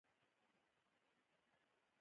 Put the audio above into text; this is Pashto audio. د ځايي وسله والو ډلو ترمنځ سیالیو اوج ته رسولې وه.